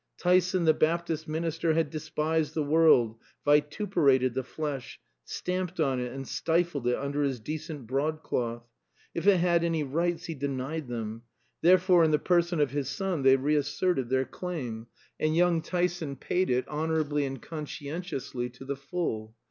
Tyson the Baptist minister had despised the world, vituperated the flesh, stamped on it and stifled it under his decent broadcloth. If it had any rights he denied them. Therefore in the person of his son they reasserted their claim; and young Tyson paid it honorably and conscientiously to the full.